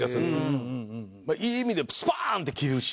いい意味でスパン！って切るし。